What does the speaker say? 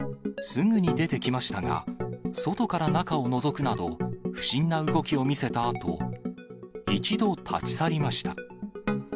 すぐに出てきましたが、外から中をのぞくなど、不審な動きを見せたあと、一度立ち去りました。